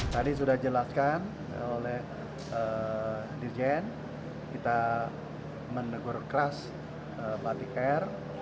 tadi sudah dijelaskan oleh dirjen kita menegur keras batik air